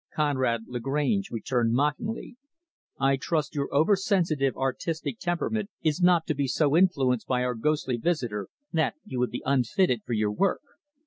Conrad Lagrange returned mockingly, "I trust your over sensitive, artistic temperament is not to be so influenced by our ghostly visitor that you will be unfitted for your work."